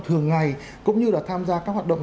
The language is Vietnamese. thường ngày cũng như là tham gia các hoạt động